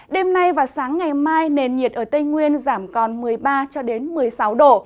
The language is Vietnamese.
đêm nay và sáng ngày mai nền nhiệt ở tây nguyên giảm còn một mươi ba một mươi sáu độ